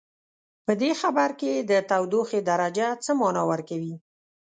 په دې خبر کې د تودوخې درجه څه معنا ورکوي؟